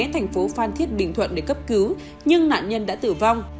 thành phố phan thiết bình thuận để cấp cứu nhưng nạn nhân đã tử vong